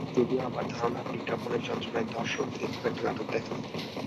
যদিও আমার ধারণা, বিজ্ঞাপনের যন্ত্রণায় দর্শক ঈদে খুব একটা নাটক দেখে না।